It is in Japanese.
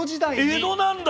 江戸なんだ。